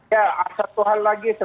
ya satu hal lagi